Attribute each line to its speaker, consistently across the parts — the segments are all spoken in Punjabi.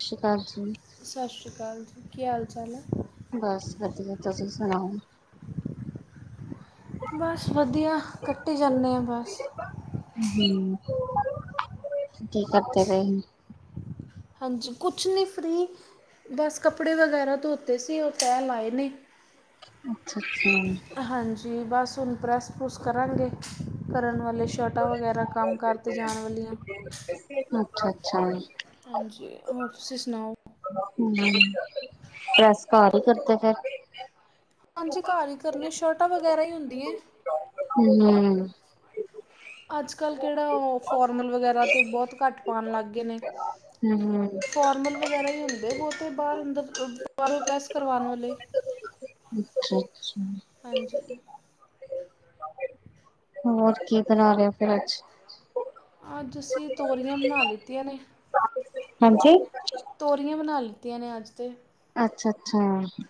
Speaker 1: ਸਤਿ ਸ਼੍ਰੀ ਅਕਾਲ ਜੀ।
Speaker 2: ਸਤਿ ਸ਼੍ਰੀ ਅਕਾਲ ਜੀ ਕੀ ਹਾਲ ਚਾਲ ਹੈ।
Speaker 1: ਬਸ ਵਧੀਆ ਤੁਸੀਂ ਸੁਣਾਓ?
Speaker 2: ਬਸ ਵਧੀਆ ਕੱਟੀ ਜਾਂਣੇ ਆ ਬਸ।
Speaker 1: ਹੂੰ ਕੀ ਕਰਦੇ ਪਏ?
Speaker 2: ਹਾਂਜੀ ਕੁਛ ਨਹੀਂ ਫ੍ਰਰੀ। ਬਸ ਕੱਪੜੇ ਵਗੈਰਾ ਧੋਤੇ ਸੀ ਉਹ ਤੈਅ ਲਾਏ ਨੇ।
Speaker 1: ਅੱਛਾ-ਅੱਛਾ।
Speaker 2: ਹਾਂਜੀ ਬਸ ਹੁਣ ਪ੍ਰੈੱਸ ਪਰੂਸ ਕਰਾਂਗੇ ਕਰਨ ਵਾਲੇ ਸ਼ੈਲਟਾਂ ਵਗੈਰਾ ਕੰਮ ਕਰ ਤੇ ਜਾਣ ਵਾਲੀਆਂ।
Speaker 1: ਅੱਛਾ-ਅੱਛਾ।
Speaker 2: ਹਾਂਜੀ ਹੋਰ ਤੁਸੀਂ ਸੁਣਾਓ?
Speaker 1: ਹੂੰ ਪ੍ਰੈਸ ਘਰ ਹੀ ਕਰਦੇ ਫੇਰ।
Speaker 2: ਹਾਂਜੀ ਘਰ ਹੀ ਕਰਨੇ ਸਲਟਾ ਵਗੈਰਾ ਹੀ ਹੁੰਦੀਆਂ।
Speaker 1: ਹੂੰ-ਹੂੰ।
Speaker 2: ਅੱਜ-ਕੱਲ ਕਿਹੜਾ ਉਹ ਫੋਰਮਲ ਵਗੈਰਾ ਤਾਂ ਬਹੁਤ ਘੱਟ ਪਾਉਣ ਲੱਗ ਗਏ ਨੇ।
Speaker 1: ਹੂੰ-ਹੂੰ।
Speaker 2: ਫੋਰਮਲ ਵਗੈਰਾ ਹੀ ਹੁੰਦੇ ਬਹੁਤੇ ਬਾਹਰ ਅੰਦਰ ਪ੍ਰੈਸ ਕਰਵਾਉਣ ਵਾਲੇ।
Speaker 1: ਅੱਛਾ-ਅੱਛਾ।
Speaker 2: ਹਾਂਜੀ।
Speaker 1: ਹੋਰ ਕੀ ਬਣਾ ਰਹੇ ਓ ਫੇਰ ਅੱਜ?
Speaker 2: ਅੱਜ ਅਸੀ ਤੋਰੀਆਂ ਬਣਾ ਲਿੱਤੀਆਂ ਨੇ।
Speaker 1: ਹਾਂਜੀ।
Speaker 2: ਤੋਰੀਆਂ ਬਣਾ ਲਿੱਤੀਆਂ ਨੇ ਅੱਜ ਤੇ।
Speaker 1: ਅੱਛਾ ਅੱਛਾ ਆ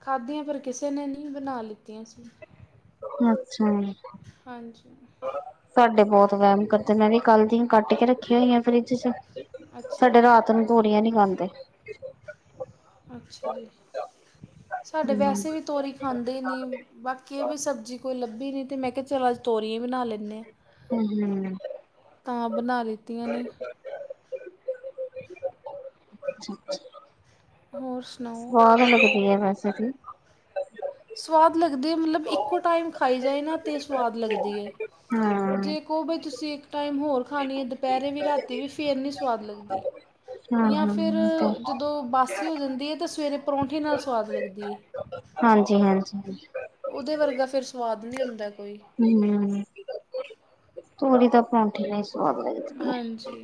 Speaker 2: ਖਾਧੀਆਂ ਪਰ ਕਿਸੇ ਨੇ ਨੀ ਬਣਾ ਲਿੱਤੀਆਂ ਸੀ
Speaker 1: ਆਛਾ
Speaker 2: ਹਾਂਜੀ
Speaker 1: ਸਾਡੇ ਬਹੁਤ ਵਹਿਮ ਕਰਦੇ ਨੇ ਮੈ ਵੀ ਕੱਲ ਦੀਆਂ ਕੱਟ ਕੇ ਰੱਖਿਆ ਹੋਈ ਆ ਫਰਿੱਜ ਚ
Speaker 2: ਅੱਛਾ
Speaker 1: ਸਾਡੇ
Speaker 2: ਜੀ
Speaker 1: ਰਾਤ ਨੂੰ ਤੋਰੀਆਂ ਨਹੀ ਖਾਂਦੇ ਏ
Speaker 2: ਅੱਛਾ ਜੀ ਸਾਡੇ
Speaker 1: ਹੂੰ।
Speaker 2: ਵੈਸੇ ਵੀ ਤੋਰੀ ਈ ਖਾਂਦੇ ਨੀ ਬਾਕੀ ਇਹ ਵੀ ਸਬਜ਼ੀ ਕੋਈ ਲੱਭੀ ਨੀ ਤੇ ਮੈਂ ਕਿਹਾ ਚਲ ਅੱਜ ਤੋਰੀਆਂ ਬਣਾ ਲੈਂਣੇ ਆ
Speaker 1: ਹੂ ਹੂੰ
Speaker 2: ਤਾਂ ਬਣਾ ਲਿੱਤੀਆਂ ਨੇ
Speaker 1: ਅਛਾ ਅੱਛਾ
Speaker 2: ਹੋਰ ਸੁਣਾਓ
Speaker 1: ਸਵਾਦ ਲੱਗਦੀ ਐ ਵੈਸੇ ਏ
Speaker 2: ਸਵਾਦ ਲੱਗਦੇ ਐ ਮਤਲਬ ਇੱਕੋ ਟਾਈਮ ਖਾਈ ਜਾਏ ਨਾ ਤੇ ਸਵਾਦ ਲੱਗਦੀ ਐ
Speaker 1: ਹਾਂ।
Speaker 2: ਜੇ ਕਾਉ ਬਾਈ ਤੁਸੀਂ ਇੱਕ ਟਾਈਮ ਹੋਰ ਖਾਣੀ ਐ ਦੁਪਹਿਰੇ ਵੀ ਰਾਤੀ ਵੀ ਫਿਰ ਨਹੀਂ ਸਵਾਦ ਲੱਗਦੇ ਏ ਜਾਂ ਫਿਰ
Speaker 1: ਹੂੰ-ਹੂੰ
Speaker 2: ਜਦੋਂ
Speaker 1: ਤੇ
Speaker 2: ਬਾਸੀ ਹੋ ਜਾਂਦੀ ਐ ਤੇ ਸਵੇਰੇ ਪਰੌਂਠੇ ਨਾਲ ਸਵਾਦ ਲੱਗਦੀ ਐ
Speaker 1: ਹਾਂਜੀ ਹਾਂਜੀ
Speaker 2: ਉਦੇ ਵਰਗਾ ਫੇਰ ਸਵਾਦ ਨਹੀਂ ਹੁੰਦਾ ਕੋਈ
Speaker 1: ਹੂੰ ਤੇ ਮੈਨੂੰ ਤਾ ਪਰੋਂਠੇ ਏ ਬਸ ਸਵਾਦ ਲੱਗਦੇ ਐ
Speaker 2: ਹਾਂਜੀ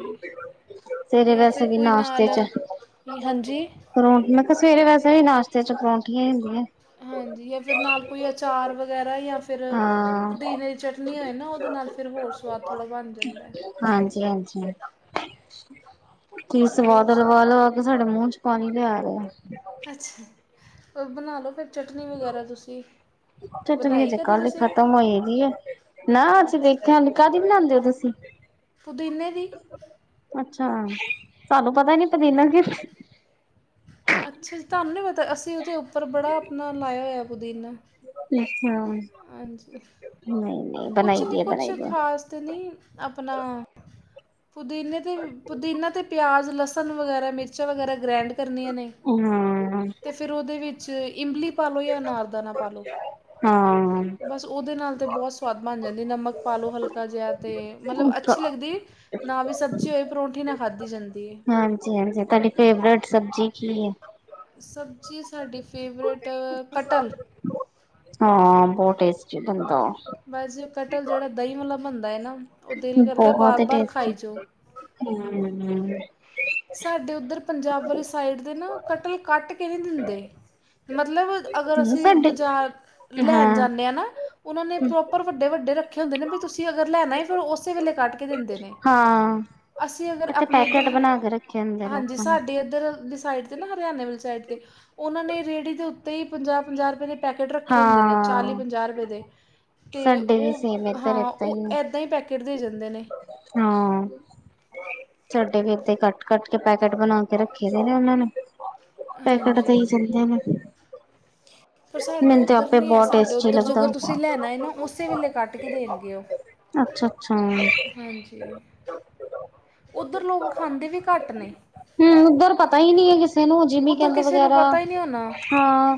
Speaker 1: ਸਵੇਰੇ
Speaker 2: ਜਾਂ
Speaker 1: ਵੈਸੇ
Speaker 2: ਫਿਰ
Speaker 1: ਵੀ
Speaker 2: ਕੋਈ ਨਾਲ ਹਾਂਜੀ ਆ
Speaker 1: ਪਰੋਂਠ ਮੈ ਕਿਹਾ ਸਵੇਰੇ ਵੈਸੇ ਵੀ ਨਾਸ਼ਤੇ ਚ ਪਰੌਂਠੀਆਂ ਹੁੰਦੀਆਂ
Speaker 2: ਹਾਂਜੀ ਜਾਂ ਫਿਰ ਨਾਲ ਕੋਈ ਅਚਾਰ ਵਗੈਰਾ ਜਾਂ ਫਿਰ
Speaker 1: ਹਾਂ
Speaker 2: ਪੁਦੀਨੇ ਦੀ ਚਟ ਨਹੀਂ ਉਹ ਨਾ ਇਹਦੇ ਨਾਲ ਫਿਰ ਹੋਰ ਸਵਾਦ ਥੋੜਾ ਬਣ ਜਾਂਦਾ ਐ
Speaker 1: ਹਾਂਜੀ ਹਾਂਜੀ ਤੁਹੀ
Speaker 2: ਹੋਰ
Speaker 1: ਸਵਾਲ
Speaker 2: ਸੁਣਾ
Speaker 1: ਲਵਾ ਲਿਆ ਫਿਰ ਤੁਹਾਡੇ ਮੂੰਹ ਚ ਪਾਣੀ ਲਿਆ ਰਿਹਾ ਆ
Speaker 2: ਅੱਛਾ ਏਦਰੋ ਬਣਾ ਲਓ ਫਿਰ ਚਟਨੀ ਵਗੈਰਾ ਤੁਸੀਂ
Speaker 1: ਚਟਨੀ
Speaker 2: ਬਣਾਈ
Speaker 1: ਅਜੇ
Speaker 2: ਕਦੇ
Speaker 1: ਕੱਲ ਹੀ
Speaker 2: ਤੁਸੀਂ
Speaker 1: ਖ਼ਤਮ ਹੋਈਗੀ ਹੈ ਨਾ ਅੱਸੀਂ ਦੇਖਿਆ ਨੀ ਕਾਹਦੀ ਬਣਾਦੇ ਓ ਤੁਸੀ
Speaker 2: ਪੁਦੀਨੇ ਦੀ ਈ
Speaker 1: ਅੱਛਾ ਤਾਨੂੰ ਪਤਾ ਨੀ ਪਦੀਨਾ ਕਿ
Speaker 2: ਅੱਛਾ ਜੀ ਤਾਨੂੰ ਨੀ ਪਤਾ ਅਸੀਂ ਉਹਦੇ ਉੱਪਰ ਬੜਾ ਆਪਣਾ ਲਾਇਆ ਹੋਇਆ ਪੁਦੀਨਾ
Speaker 1: ਅੱਛਾ
Speaker 2: ਹਾਂਜੀ
Speaker 1: ਨਹੀਂ ਨਹੀਂ ਬਣਾਈ ਦੇ ਐ ਬਣਾਈ ਦੇ ਐ
Speaker 2: ਵਾਸਤੇ ਨੀ ਆਪਣਾ ਪੁਦੀਨੇ ਦੀ ਈ ਪੁਦੀਨਾ ਤੇ ਪਿਆਜ਼ ਲਸਣ ਵਗੈਰਾ ਮਿਰਚਾਂ ਵਗੈਰਾ ਗ੍ਰੈਂਡ ਕਰਨੀਆਂ ਨੇ
Speaker 1: ਉਨਾ ਆ
Speaker 2: ਤੇ ਫਿਰ ਉਹਦੇ ਵਿੱਚ ਇਮਲੀ ਪਾ ਲਓ ਜਾਂ ਅਨਾਰ ਦਾਣਾ ਪਾ ਲਓ
Speaker 1: ਹਾਂ ਆ
Speaker 2: ਬਸ ਉਹਦੇ ਨਾਲ ਤੇ ਬਹੁਤ ਸਵਾਦ ਬਣ ਜਾਂਦੀ ਨਮਕ ਪਾ ਲਓ ਹਲਕਾ ਜਿਹਾ ਤੇ ਮਤਲਬ ਅੱਛੀ ਲੱਗਦੀ ਨਾ ਵੀ ਸਬਜ਼ੀ ਹੋਇ ਪਰੌਂਠੀ ਨਾ ਖਾਧੀ ਜਾਂਦੀ ਐ
Speaker 1: ਹਾਂਜੀ ਹਾਂਜੀ ਤੁਹਾਡੀ ਫੇਵਰੇਟ ਸਬਜ਼ੀ ਕੀ ਹੈ
Speaker 2: ਸਬਜ਼ੀ ਸਾਡੀ ਫੇਵਰੇਟ ਪਤਾ ਨੀ
Speaker 1: ਹਾਂ ਬਹੁਤ ਟੇਸਟੀ ਬਣ ਦਾ ਆ
Speaker 2: ਬਸ ਜੇਰ ਕਟਲ ਜਿਹੜਾ ਦਹੀਂ ਵਾਲਾ ਬਣਦਾ ਨਾ ਉਹ ਦਿਲ ਕਰਦਾ ਵਾਰ ਵਾਰ ਖਾਈ ਜਾਓ
Speaker 1: ਹੂ ਹੂੰ
Speaker 2: ਸਾਡੇ ਇੱਧਰ ਪੰਜਾਬ ਵਾਲੀ ਸਾਈਡ ਦੇ ਨਾ ਕਟੀ ਈ ਕੱਟ ਕੇ ਨਹੀਂ ਦਿੰਦੇ ਏ ਮਤਲਬ ਅਗਰ
Speaker 1: ਨਹੀਂ
Speaker 2: ਅਸੀਂ
Speaker 1: ਸਾਡੇ
Speaker 2: ਬਜ਼ਾਰ ਲੈਣ
Speaker 1: ਹਾਂ
Speaker 2: ਜਾਂਣੇ ਆ ਨਾ ਉਹਨਾਂ ਨੇ ਪ੍ਰੋਪਰ ਵੱਡੇ ਵੱਡੇ ਰੱਖੇ ਹੁੰਦੇ ਨੇ ਵੀ ਤੁਸੀਂ ਅਗਰ ਲੈਣਾ ਫਿਰ ਉਸੇ ਵੇਲੇ ਕੱਢ ਕੇ ਦਿੰਦੇ ਨੇ ਅਸੀਂ ਅਗਰ ਆਪਣੇ ਏ
Speaker 1: ਝਟ ਬਨਾ ਕੇ ਰੱਖੇ ਨ
Speaker 2: ਹਾਂਜੀ ਸਾਡੀ ਏਧਰ ਲੀ ਸਾਈਡ ਤੇ ਨਾ ਹਰਿਆਨਵੇ ਸਾਇਡ ਤੇ ਉਹਨਾਂ ਨੇ ਰੇਹੜੀ ਦੇ ਉੱਤੇ ਹੀ ਪੰਜਾਹ ਪੰਜਾਹ ਰੁਪਏ ਦੇ ਪੈਕਟ ਰੱਖੇ ਹੁੰਦੇ ਨੇ ਚਾਲੀ
Speaker 1: ਹਾਂ
Speaker 2: ਪੰਜਾਹ ਰੁਪਏ ਦੇ ਤੇ
Speaker 1: ਸਾਡੇ ਵੀ ਸੇਮ
Speaker 2: ਉਹ
Speaker 1: ਇੱਧਰ
Speaker 2: ਹਾਂ
Speaker 1: ਏਦਾਂ
Speaker 2: ਉਹ
Speaker 1: ਹੈ
Speaker 2: ਏਦਾਂ ਹੀ ਪੈਕੇਟ ਦੇ ਜਾਂਦੇ ਨੇ
Speaker 1: ਹਾਂ ਸਾਡੇ ਵੀ ਇਥੇ ਕੱਟ ਕੱਟ ਕੇ ਪੈਕੇਟ ਬਨਾ ਕੇ ਰੱਖੇ ਦੇ ਨੇ ਉਹਨਾਂ ਨੇ ਪੈਕੇਟ ਤੇ
Speaker 2: ਹਾਂਜੀ
Speaker 1: ਈ ਚੱਲਦੇ ਨੇ
Speaker 2: ਪਰ ਸਾਡੇ
Speaker 1: ਮੈਨੂੰ ਤੇ
Speaker 2: ਉੱਧਰ
Speaker 1: ਆਪੇ
Speaker 2: ਨਹੀਂ ਹੈ,
Speaker 1: ਬਹੁਤ
Speaker 2: ਸਾਡੇ
Speaker 1: ਟੇਸਟੀ
Speaker 2: ਉੱਧਰ
Speaker 1: ਲੱਗਦਾ।
Speaker 2: ਜੇਗਰ ਤੁਸੀਂ ਲੈਣਾ ਏ ਨਾ ਉਸੇ ਵੇਲੇ ਕੱਟ ਕੇ ਦੇਨਗੇ ਉਹ
Speaker 1: ਅੱਛਾ ਅੱਛਾ ਹੂੰ
Speaker 2: ਹਾਂਜੀ, ਉੱਧਰ ਲੋਕ ਖਾਂਦੇ ਵੀ ਘੱਟ ਨੇ
Speaker 1: ਹੰ ਉੱਧਰ ਪਤਾ ਈ ਨੀ ਐ ਕਿਸੇ ਨੂੰ ਜਿਮੀ
Speaker 2: ਉੱਧਰ
Speaker 1: ਕੰਦ
Speaker 2: ਕਿਸੇ ਨੂੰ
Speaker 1: ਵਗੈਰਾ
Speaker 2: ਪਤਾ ਹੀ ਨਹੀਂ ਹੋਣਾ
Speaker 1: ਹਾਂ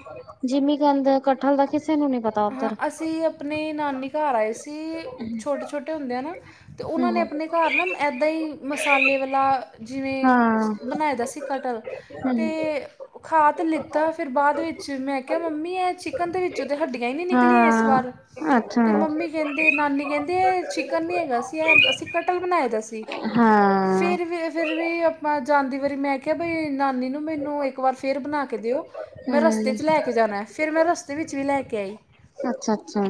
Speaker 1: ਜਿਮੀ ਕੰਦ ਕਠਹਲ ਦਾ ਕਿਸੇ ਨੂੰ ਨੀ ਪਤਾ
Speaker 2: ਹਾਂ
Speaker 1: ਉੱਧਰ
Speaker 2: ਅਸੀਂ ਅਪਨੇ ਨਾਨੀ ਘਰ ਆਏ ਸੀ, ਛੋਟੇ ਛੋਟੇ ਹੁੰਦੇ ਆ ਨਾ ਤੇ ਉਹਨਾਂ ਨੇ
Speaker 1: ਹੂੰ
Speaker 2: ਆਪਨੇ ਘਰ ਨਾ ਏਦਾ ਈ ਮਸਾਲੇ ਵਾਲਾ ਜਿਵੇਂ
Speaker 1: ਹਾਂ
Speaker 2: ਬਨਾਆ ਦਾ ਸੀ ਕਟਹਲ
Speaker 1: ਹੂੰ
Speaker 2: ਤੇ ਖਾ ਤੇ ਲਿੱਤਾ ਫਿਰ ਬਾਅਦ ਵਿੱਚ ਮੈਂ ਕਿਹਾ ਮੰਮੀ ਇਹ ਚਿਕਨ ਦੇ ਵਿੱਚੋਂ ਤੇ ਹੱਡੀ ਐਨੀ ਨਿਕਲੀ ਏਸ
Speaker 1: ਹਾਂ
Speaker 2: ਵਾਰ ਤੇ
Speaker 1: ਅੱਛਾ
Speaker 2: ਮੰਮੀ ਕਹਿੰਦੇ ਨਾਨੀ ਕਹਿੰਦੇ ਏ ਚਿਕਨ ਨਹੀਂ ਹੈਗਾ ਸੀ ਇਹ ਅਸੀਂ ਕਟਹਲ ਬਨਾਆ ਦਾ ਸੀ
Speaker 1: ਹਾਂ
Speaker 2: ਫਿਰ ਵੀ ਅ ਫਿਰ ਵੀ ਆਪਾਂ ਜਾਂਦੀ ਵਾਰੀ ਮੈਂ ਕਿਹਾ ਬਈ ਨਾਨੀ ਨੂੰ ਮੈਨੂੰ ਇੱਕ ਵਾਰ ਫੇਰ ਬਨਾ ਕੇ ਦੇਓ ਮੈਂ ਰਸਤੇ
Speaker 1: ਹੂੰ
Speaker 2: ਚ ਲੈ ਕੇ ਜਾਨਾ ਫੇਰ ਮੈਂ ਰਸਤੇ ਵਿੱਚ ਵੀ ਲੈ ਕੇ [inaudible]
Speaker 1: ਅੱਛਾ ਅੱਛਾ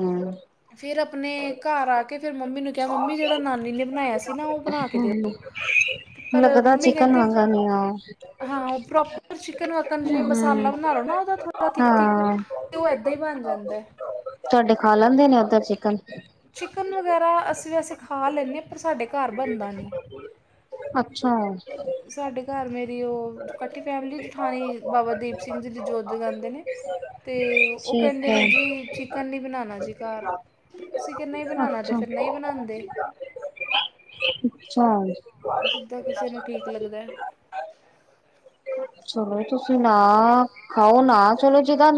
Speaker 2: ਫਿਰ ਆਪਨੇ ਘਰ ਆ ਕੇ ਫਿਰ ਮੰਮੀ ਨੂੰ ਕਿਹਾ ਮੰਮੀ ਜਿਹੜਾ ਨਾਨੀ ਨੇ ਬਨਾਇਆ ਸੀ ਨਾ ਉਹ ਬਨਾ ਕੇ ਦੇਓ ਪਰ ਓ
Speaker 1: ਲੱਗਦਾ
Speaker 2: ਮੰਮੀ
Speaker 1: ਚਿਕਨ
Speaker 2: ਕਹਿੰਦੇ
Speaker 1: ਵਾਂਗਾ ਨੀ ਆ
Speaker 2: ਹਾਂ ਪ੍ਰੋਪਰ ਚਿਕਨ ਵਾਕਨ ਜਿਵੇਂ ਮਸਾਲਾ
Speaker 1: ਹੂੰ
Speaker 2: ਬਨਾ ਲੋ ਨਾ ਉਹਦਾ ਥੋੜ੍ਹਾ ਥਿੱਕਥਿੱਕ
Speaker 1: ਹਾਂ
Speaker 2: ਤੇ ਉਹ ਏਦਾਂ ਈ ਬਨ ਜਾਂਦਾ ਐ
Speaker 1: ਤੁਹਾਡੇ ਖਾ ਲੈਂਦੇ ਨੇ ਓਦਰ ਚਿਕਨ
Speaker 2: ਚਿਕਨ ਵਗੈਰਾ ਅਸੀਂ ਵੈਸੇ ਖਾ ਲੈਂਨੇ ਆਂ ਪਰ ਸਾਡੇ ਘਰ ਬਨਦਾ ਨੀ
Speaker 1: ਅੱਛਾ
Speaker 2: ਸਾਡੇ ਘਰ ਮੇਰੀ ਓ ਕੱਠੀ ਫੈਮਿਲੀ ਜਠਾਣੀ ਬਾਬਾ ਦੀਪ ਸਿੰਘ ਜੀ ਦੀ ਜੋੋਤ ਜਗਾੰਦੇ ਨੇ
Speaker 1: [unintelligible]
Speaker 2: ਤੇ ਉਹ
Speaker 1: ਠੀਕ
Speaker 2: ਕਹਿੰਦੇ
Speaker 1: ਹੈ
Speaker 2: ਨੇ ਜੀ ਚਿਕਨ ਨੀ ਬਨਾਨਾ ਜੀ ਘਰ ਅਸੀ ਕਿਹਾ ਨਹੀਂ ਬਨਾਨਾ ਤੇ
Speaker 1: ਅੱਛਾ
Speaker 2: ਫਿਰ ਨਹੀਂ ਬਨਾੰਦੇ
Speaker 1: [unintelligible]
Speaker 2: ਜਿੱਦਾ ਕਿਸੇ ਨੂੰ ਠੀਕ ਲੱਗਦਾ ਐ
Speaker 1: ਚਲੋ ਤੁਸੀਂ ਨਾ ਖਾਓ ਨਾ ਚਲੋ ਜਿੰਦਾ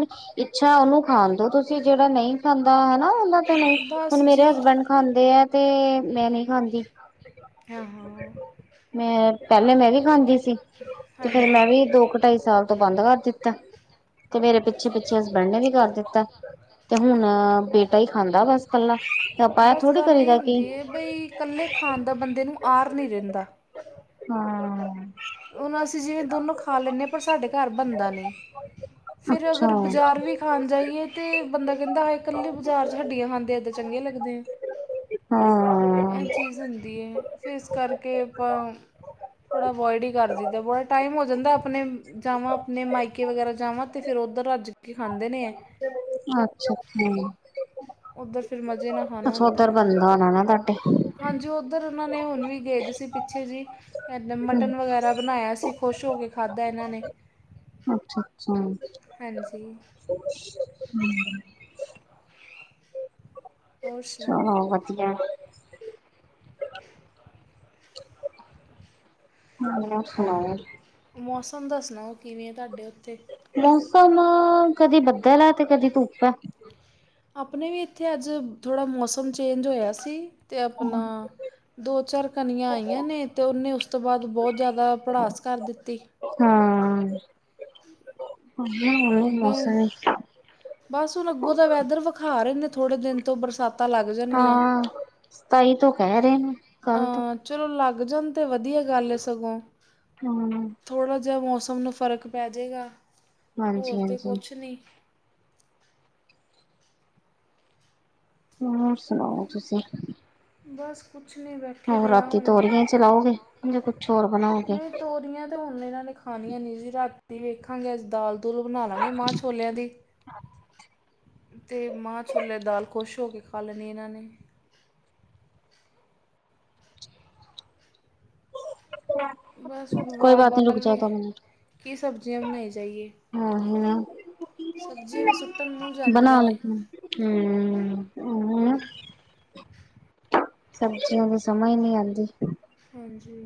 Speaker 1: ਇੱਛਾ ਉਹਨੂੰ ਖਾਨਦੋ ਤੁਸੀਂ ਜਿਹੜਾ ਨਹੀਂ ਖਾਂਦਾ ਹੈਨਾ ਉਹਨਾਂ
Speaker 2: ਬਸ
Speaker 1: ਹੁਨ ਮੇਰੇ
Speaker 2: ਜੀ
Speaker 1: ਹਸਬੈਂਡ ਖਾਂਦੇ ਆ ਤੇ ਮੈਂ ਨਹੀਂ ਖਾਂਦੀ
Speaker 2: ਹਾਂ
Speaker 1: ਮੈਂ ਪਹਿਲੇ ਮੈਂ ਵੀ ਖਾਂਦੀ ਸੀ ਤੇ ਫੇਰ ਮੈਂ
Speaker 2: ਹਾਂਜੀ
Speaker 1: ਵੀ ਦੋ ਕੁ ਢਾਈ ਸਾਲ ਤੋਂ ਬੰਦ ਕਰ ਦਿੱਤਾ ਤੇ ਮੇਰੇ ਪਿੱਛੇ
Speaker 2: ਅੱਛਾ
Speaker 1: ਪਿੱਛੇ
Speaker 2: ਅੱਛਾ
Speaker 1: ਹਸਬੈੰਡ ਵੀ ਕਰ ਦਿਤ ਤੇ ਹੁਣ ਬੇਟਾ ਈ ਖਾਂਦਾ ਬਸ ਕੱਲਾ ਤੇ ਆਪਾਂ ਆ ਥੋੜੀ ਕਰੀ ਦਾ ਕੀ
Speaker 2: ਕੱਲੇ ਖਾਨ ਦਾ ਬੰਦੇ ਨੂੰ ਆਰ ਨੀਂ ਰਹੰਦਾਂ
Speaker 1: ਹਾਂ।
Speaker 2: ਹੁਣ ਅਸੀਂ ਜਿਵੇਂ ਦੋਨੋਂ ਖਾ ਲੈਂਨੇ ਆ, ਪਰ ਸਾਡੇ ਘਰ ਬਣਦਾ ਨੀਂ ਫੇਰ
Speaker 1: ਅੱਛਾ
Speaker 2: ਅਗਰ ਬਜ਼ਾਰ ਵੀ ਖਾਂਣ ਜਾਈਏ ਤੇ, ਬੰਦਾ ਕਹਿੰਦਾ ਹ ਕੱਲੇ ਬਾਜ਼ਾਰ ਚ ਹੱਡੀਆਂ ਖਾਂਦੇ ਏਦਾਂ ਚੰਗੇ ਲੱਗਦੇ ਆਂ।
Speaker 1: ਹਾਂ।
Speaker 2: ਫੀਸ ਹੁੰਦੀ ਏ। ਫਿਰ ਇਸ ਕਰਕੇ ਆਪਾਂ ਥੋੜ੍ਹਾ ਅਵੋਇਡੀ ਕਰ ਦਈ ਦਾ, ਬੜਾ ਟਾਈਮ ਹੋ ਜਾਂਦਾ ਆਪਣੇ ਜਾਵਾਂ ਆਪਣੇ ਮਾਇਕੇ ਵਗੈਰਾ ਜਾਵਾਂ ਤੇ ਫੇਰ ਉੱਧਰ ਰੱਜ ਕਿ ਖਾਂਦੇ ਨੇ ਐ
Speaker 1: ਅੱਛਾ, ਅੱਛਾ।
Speaker 2: ਉੱਧਰ ਫਿਰ ਮਜ਼ੇ ਨਾਲ ਖਾਣਾ
Speaker 1: ਅੱਛਾ
Speaker 2: ਹੁੰਦਾ
Speaker 1: ਔਧਰ ਦਾ ਬੰਦਾ ਆਣਾ ਨਾ ਤੁਹਾਡੇ
Speaker 2: ਹਾਂਜੀ ਉੱਧਰ ਉਹਨਾਂ ਨੇ ਹੁਣ ਵੀ ਗਏ ਸੀ, ਪਿੱਛੇ ਜੀ ਇਦਾ ਮਟਨ ਵਗੈਰਾ ਬਣਾਇਆ ਸੀ। ਖੁਸ਼ ਹੋ ਕੇ ਖਾਧਾ ਇਹਨਾਂ ਨੇ।
Speaker 1: ਅੱਛਾ, ਅੱਛਾ ਹੂੰ।
Speaker 2: ਹਾਂਜੀ ਹੋਰ ਸੁਣਾਓ
Speaker 1: ਚਲੋ ਵਧੀਆ ਐ।
Speaker 2: [inaudible]
Speaker 1: ਹੋਰ ਸੁਣਾਓ?
Speaker 2: ਮੌਸਮ ਦੱਸਣਾ ਔਹ ਕਿਵੇਂ ਹੈ ਤੁਹਾਡੇ ਉੱਥੇ।
Speaker 1: ਮੌਸਮ ਕਦੀ ਬੱਦਲ ਹੈ, ਤੇ ਕਦੀ ਧੂੱਪ ਹੈ।
Speaker 2: ਆਪਣੇ ਵੀ ਇੱਥੇ ਅੱਜ ਥੋੜ੍ਹਾ ਮੌਸਮ ਚੇਂਜ ਹੋਇਆ ਸੀ, ਤੇ ਅਪਣਾ ਦੋ ਚਾਰ ਕਣੀਆਂ ਆਈਆਂ ਨੇ, ਤੇ ਉਹਨੇ ਉਸ ਤੋਂ ਬਾਅਦ ਬਹੁਤ ਜ਼ਿਆਦਾ ਪੜਾਸ ਕਰ ਦਿੱਤੀ।
Speaker 1: ਹਾਂ। [unintelligible]
Speaker 2: ਔਦਰ,
Speaker 1: ਮੌਸਮ ਹੀ
Speaker 2: ਬਸ ਹੁਣ ਅੱਗੋਂ ਦਾ ਵੈਦਰ ਵਿਖਾ ਰਹੇ ਨੇ ਥੋੜੇ ਦਿਨ ਤੋਂ ਬਰਸਾਤ ਬਰਸਾਤਾਂ ਲੱਗ ਜਾਣ ਗਿਆਂ।
Speaker 1: ਹਾਂ ਸਤਾਈ ਤੋਂ ਕਹਿ ਰਹੇ ਨੇ ਕੱਲ ਤੋਂ
Speaker 2: ਚਲੋ ਲੱਗ ਜਾਣ ਤੇ ਵਧੀਆ ਗੱਲ ਹੈ ਸਗੋਂ।
Speaker 1: ਹਮ।
Speaker 2: ਥੋੜ੍ਹਾ ਜਿਹਾ ਮੌਸਮ ਨੂੰ ਫ਼ਰਕ ਪੈ ਜਾਗਾ, ਹੋਰ
Speaker 1: ਹਾਂਜੀ
Speaker 2: ਤਾਂ
Speaker 1: ਹਾਂਜੀ
Speaker 2: ਕੁਛ ਨਹੀਂ।
Speaker 1: ਹੋਰ ਸੁਣਾਓ ਤੁਸੀਂ?
Speaker 2: ਬਸ ਕੁਛ ਨਹੀਂ ਬੈਠਾ
Speaker 1: ਹੋ ਰਾਤੀ ਤੋਰੀਏ ਚਲਾਓਗੇ, ਜਾ ਕੁਛ ਹੋਰ ਬਣਾਓਗੇ।
Speaker 2: ਤੇ ਹੁਣ ਇਹਨਾਂ ਨੇ ਖਾਣੀਆਂ ਨਹੀਂ ਜੀ, ਰਾਤੀ ਵੇਖਾਂਗੇ ਆੱਜ ਦਾਲ ਦੁਲ ਬਣਾ ਲਾਂਗੇ ਮਾਂ ਛੋਲਿਆਂ ਦੀ। ਤੇ ਮਾਂਹ ਛੋਲੇ ਦਾਲ ਖੁਸ਼ ਹੋ ਕੇ ਖਾ ਲੈਣੀ ਇਹਨਾਂ ਨੇ।
Speaker 1: [unintelligible]
Speaker 2: ਬਸ ਹੁਣ ਬਾਰ- ਬਾਰ ਵੀ ਕੀ ਸਬਜ਼ੀਆਂ ਬਣਾਈ ਜਾਾਹੀਏ।
Speaker 1: ਹਮ, ਹਮ।
Speaker 2: ਵੀ ਸੁੱਟਣ ਮੂੰਹ
Speaker 1: ਬਣਾ
Speaker 2: ਜਾਂਦੀਆਂ ਨੇ
Speaker 1: ਲੈਣੀ ਆ, ਹਮ।
Speaker 2: ਹਾਂ
Speaker 1: ਸਬਜ਼ੀਆਂ ਦੀ ਸਮਜ ਹੀ ਨਹੀਂ ਆਉਂਦੀ।
Speaker 2: ਹਾਂਜੀ।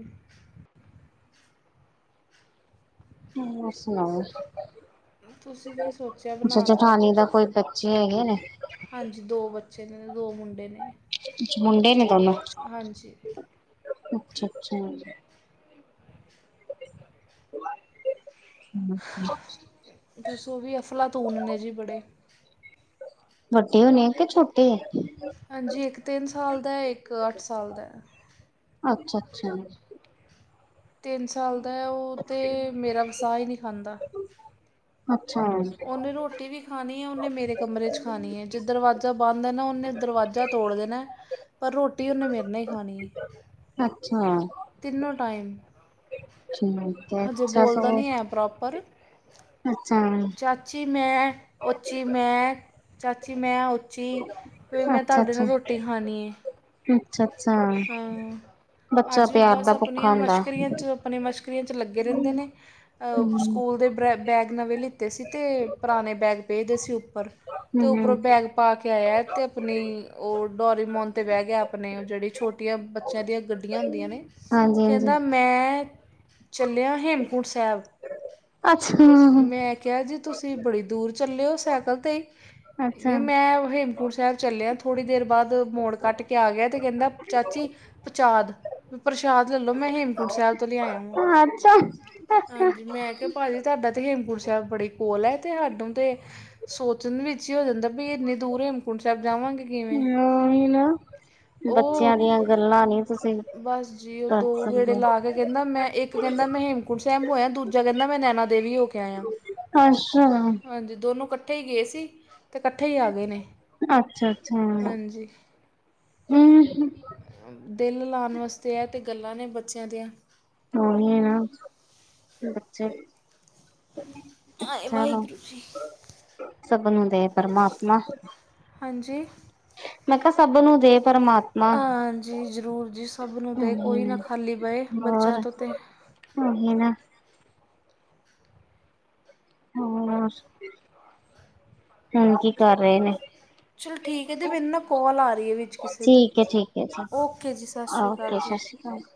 Speaker 1: ਹੋਰ ਸੁਣਾਓ?
Speaker 2: ਤੁਸੀਂ ਕੀ ਸੋਚਿਆ
Speaker 1: ਅੱਛਾ,
Speaker 2: ਬਣਾਉਣ ਅੱਜ
Speaker 1: ਜਠਾਨੀ ਦਾ ਕੋਈ ਬੱਚੇ ਹੈਗੇ ਨੇ।
Speaker 2: ਹਾਂਜੀ ਦੋ ਬੱਚੇ ਨੇ ਦੋ ਮੁੰਡੇ ਨੇ।
Speaker 1: ਅੱਛਾ ਮੁੰਡੇ ਨੇ ਦੋਨੋ ਅੱਛਾ,
Speaker 2: ਹਾਂਜੀ
Speaker 1: ਅੱਛਾ। ਹਮ ਅੱਛਾ।
Speaker 2: ਬੱਸ ਉਹ ਵੀ ਅਫਲਾ ਤੂਨ ਨੇ ਜੀ ਬੜੇ।
Speaker 1: ਵੱਡੇ ਹੋਣੇ, ਕਿ ਛੋਟੇ ਏ?
Speaker 2: ਹਾਂਜੀ, ਇੱਕ ਤਿੰਨ ਸਾਲ ਦਾ, ਇੱਕ ਅੱਠ ਸਾਲ ਦਾ।
Speaker 1: ਅੱਛਾ- ਅੱਛਾ।
Speaker 2: ਤਿੰਨ ਸਾਲ ਦਾ ਓ ਤੇ, ਮੇਰਾ ਵਸਾਹ ਹੀ ਨਹੀਂ ਖਾਂਦਾ।
Speaker 1: ਅੱਛਾ
Speaker 2: ਉਹਨੇ ਰੋਟੀ ਵੀ ਖਾਣੀ ਏ ਓਨੇ ਮੇਰੇ ਕਮਰੇ 'ਚ ਖਾਣੀ ਐ, ਜੇ ਦਰਵਾਜ਼ਾ ਬੰਦ ਏ ਨਾ ਉਹਨੇ ਦਰਵਾਜ਼ਾ ਤੋੜ ਦੇਣਾ ਪਰ ਰੋਟੀ ਉਹਨੇ ਮੇਰੇ ਨਾ ਹੀ ਖਾਣੀ ਏ।
Speaker 1: ਅੱਛਾ!
Speaker 2: ਤਿੰਨੋ ਟਾਈਮ।
Speaker 1: ਠੀਕ ਐ,
Speaker 2: ਹਜੇ
Speaker 1: ਅੱਛਾ
Speaker 2: ਬੋਲਦਾ
Speaker 1: ਸਗੋਂ,
Speaker 2: ਨਹੀਂ ਹੈ ਪ੍ਰੋਪਰ
Speaker 1: ਅੱਛਾ।
Speaker 2: ਚਾਚੀ ਮੈਂ, ਉੱਚੀ ਮੈਂ, ਚਾਚੀ ਮੈਂ ਜੀ ਵੀ ਮੈਂ
Speaker 1: ਅੱਛਾ
Speaker 2: ਤੁਹਾਡੇ ਨਾ
Speaker 1: ਅੱਛਾ
Speaker 2: ਰੋਟੀ ਖਾਣੀ ਏ।
Speaker 1: ਅੱਛਾ ਅੱਛਾ! ਬੱਚਾ
Speaker 2: ਅੱਜ ਵੀ
Speaker 1: ਪਿਆਰ
Speaker 2: ਬਸ
Speaker 1: ਦਾ ਭੁੱਖਾ
Speaker 2: ਆਪਣੀਆਂ
Speaker 1: ਹੁੰਦਾ
Speaker 2: ਮਸ਼ਕਰੀਆਂ 'ਚ, ਆਪਣੀਆਂ ਮਸ਼ਕਰੀਆਂ 'ਚ ਲੱਗੇ ਰਹਿੰਦੇ ਨੇ। ਅ
Speaker 1: ਹਮ
Speaker 2: ਸਕੂਲ ਦੇ ਬੈ ਬੈਗ ਨਵੇਂ ਲਿੱਤੇ ਸੀ ਤੇ ਪੁਰਾਣੇ ਬੈਗ ਪਏ ਦੇ ਸੀ ਉੱਪਰ। ਤੇ
Speaker 1: ਹਮ
Speaker 2: ਉਪਰੋਂ ਬੈਗ ਪਾ ਕੇ ਆਇਆ ਤੇ ਆਪਣੀ, ਓ ਡੋਰੀਮੋਨ ਤੇ ਬਹਿ ਗਿਆ। ਓ ਜਿਹੜੀ ਛੋਟੀਆਂ ਬੱਚਿਆਂ ਦੀਆਂ ਗੱਡੀਆਂ ਹੁੰਦੀਆਂ ਨੇ,
Speaker 1: ਹਾਂਜੀ ਹਾਂਜੀ
Speaker 2: ਕਹਿੰਦਾ ਮੈਂ, ਚੱਲਿਆ ਹੇਮਕੁੰਟ ਸਾਹਿਬ।
Speaker 1: ਅੱਛਾ!
Speaker 2: ਮੈਂ ਕਿਹਾ ਜੀ ਤੁਸੀਂ ਬੜੀ ਦੂਰ ਚੱਲੇ ਓ ਸਾਈਕਲ ਤੇ ਈ,
Speaker 1: ਅੱਛਾ
Speaker 2: ਮੈਂ ਹ ਸਾਹਿਬ ਚੱਲਿਆ, ਥੋੜ੍ਹੀ ਦੇਰ ਬਾਅਦ ਮੋੜ ਕੱਟ ਕੇ ਆ ਗਿਆ ਤੇ ਕਹਿੰਦਾ ਚਾਚੀ ਪਚਾਦ। ਵੀ ਪ੍ਰਸ਼ਾਦ ਲੈਲੋ ਮੈਂ ਹੇਮਕੂਟ ਸਾਹਿਬ ਤੋਂ ਲਿਆਇਆ ਵਾਂ,
Speaker 1: ਅੱਛਾ
Speaker 2: ਹਾਂਜੀ। ਮੈਂ ਕੇ ਭਾਜੀ ਤਾਡਾ ਤੇ ਹੇਮਕੁੰਟ ਸਾਹਿਬ ਬੜੀ ਕੋਲ ਹੈ ਤੇ ਹਾਨੂੰ ਤੇ ਸੋਚਣ ਵਿੱਚ ਹੀ ਹੋ ਜਾਂਦਾ ਬੀ ਏਨੀ ਦੂਰ ਹੇਮਕੁੰਟ ਸਾਹਿਬ ਜਾਵਾਂਗੇ ਕਿਵੇਂ?
Speaker 1: ਓ ਹੀ ਨਾ,
Speaker 2: ਉਹ
Speaker 1: ਬੱਚਿਆਂ ਦੀਆਂ ਗੱਲਾਂ ਨੇ।
Speaker 2: ਬਸ ਜੀ ਉਹ ਦੋ ਗੇੜੇ ਲਾ ਕੇ ਕਹਿੰਦਾ ਮੈਂ ਇੱਕ ਕਹਿੰਦਾ ਮੈਂ ਹੇਮਕੁਟ ਸਾਹਿਬ ਹੋਇਆ, ਦੂਜਾ ਕਹਿੰਦਾ ਮੈਂ ਨੈਨਾ ਦੇਵੀ ਹੋ ਕੇ ਆਇਆ।
Speaker 1: ਅੱਛਾ
Speaker 2: ਹਾਂਜੀ, ਦੋਨੋ ਕੱਠੇ ਹੀ ਗਏ ਸੀ ਤੇ ਕੱਠੇ ਹੀ ਆ ਗਏ ਨੇ।
Speaker 1: ਅੱਛਾ, ਅੱਛਾ।
Speaker 2: ਹਾਂਜੀ
Speaker 1: ਹੂ, ਹੂ
Speaker 2: ਦਿਲ ਲਾਣ ਵਾਸਤੇ ਐ ਤੇ ਗੱਲਾਂ ਨੇ ਬੱਚਿਆਂ ਦੀਆਂ।
Speaker 1: ਉਹੀ ਨਾ, ਬੱਚੇ
Speaker 2: ਆਏ,
Speaker 1: ਚਲੋ
Speaker 2: ਵਾਹਿਗੁਰੂ ਜੀ।
Speaker 1: ਸਭ ਨੂੰ ਦੇ ਪਰਮਾਤਮਾ।
Speaker 2: ਹਾਂਜੀ!
Speaker 1: ਮੈਂ ਕਿਆ ਸਭ ਨੂੰ ਦੇ ਪਰਮਾਤਮਾ।
Speaker 2: ਹਾਂਜੀ, ਜ਼ਰੂਰ ਜੀ ਸਭ ਨੂੰ ਦੇ,
Speaker 1: ਉਹੀ
Speaker 2: ਕੋਈ ਨਾ
Speaker 1: ਨੇ
Speaker 2: ਖਾਲੀ ਬਏ ਬੱਚਿਆਂ ਤੋਂ ਤਾਂ।
Speaker 1: ਓਹੀ ਨਾ। ਹੂ, ਹੁਣ ਕੀ ਕਰ ਰਹੇ ਨੇ?
Speaker 2: ਚਲੋ ਠੀਕ ਏ ਦੀ ਮੈਨੂੰ ਨਾ ਕੋਲ ਆ ਰਹੀ ਹੈ ਵਿੱਚ ਕਿਸੇ ਦੀ,
Speaker 1: ਠੀਕ ਹੈ ਠੀਕ ਹੈ
Speaker 2: ਓਕੇ ਜੀ ਸ਼ਸ ਸ਼੍ਰੀ ਅਕਾਲ ਜੀ।
Speaker 1: ਹਾਂ।